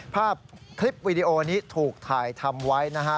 ภาพคลิปวีดีโอนี้ถูกถ่ายทำไว้นะฮะ